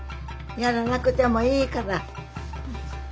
やらなくてもいいから。